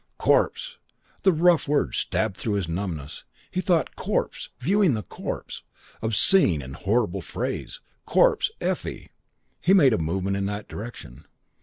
"Corpse!" The rough word stabbed through his numbness. He thought, "Corpse! Viewing the corpse! Obscene and horrible phrase! Corpse! Effie!" He made a movement in that direction.